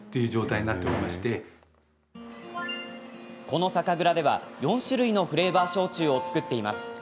この酒蔵では、４種類のフレーバー焼酎を造っています。